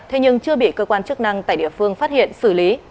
thế nhưng chưa bị cơ quan chức năng tại địa phương phát hiện xử lý